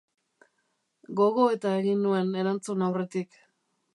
Gogoeta egin nuen erantzun aurretik.